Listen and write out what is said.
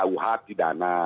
pembahasan kita juga